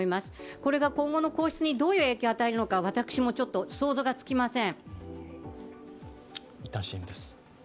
これが今後の皇室にどういう影響を与えるのか私も想像がつきません。